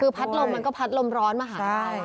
คือพัดลมมันก็พัดลมร้อนมาหาได้